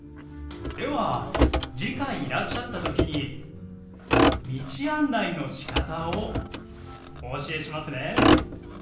では次回いらっしゃった時に道案内のしかたをお教えしますね。